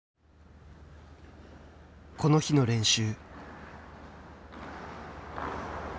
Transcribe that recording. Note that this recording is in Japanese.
この日の練習。